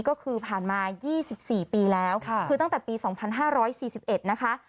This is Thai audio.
ก็คือผ่านมา๒๔ปีแล้วคือตั้งแต่ปี๒๕๔๑นะคะ